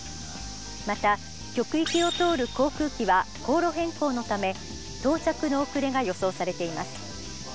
また極域を通る航空機は航路変更のため到着の遅れが予想されています。